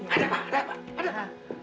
ada pak ada pak